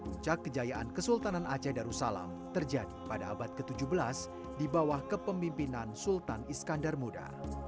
puncak kejayaan kesultanan aceh darussalam terjadi pada abad ke tujuh belas di bawah kepemimpinan sultan iskandar muda